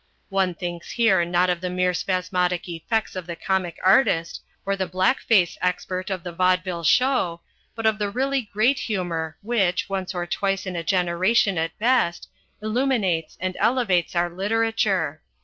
One thinks here not of the mere spasmodic effects of the comic artist or the blackface expert of the vaudeville show, but of the really great humour which, once or twice in a generation at best, illuminates and elevates our literature.